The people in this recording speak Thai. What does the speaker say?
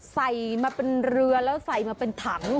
ใส่มาเป็นเรือแล้วใส่มาเป็นถัง